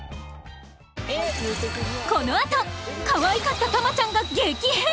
この後かわいかったタマちゃんが激変！